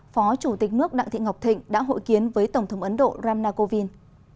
phó chủ tịch nước đặng thị ngọc thịnh đã hội kiến với tổng thống ấn độ ramna kovind